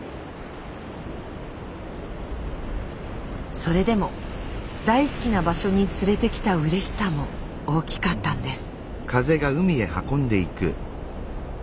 それでも大好きな場所に連れてきたうれしさも大きかったんです。